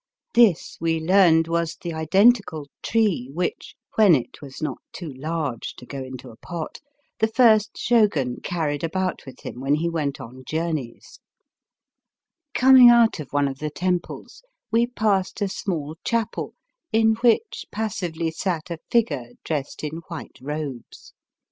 This we learned was the identical tree which, when it was not too large to go into a pot, the first Shogun carried about with him when he went on Digitized by VjOOQIC 262 BAST BY WEST, journeys. Coming out of one of the temples we passed a small chapel in which passively sat a figure dressed in white robes.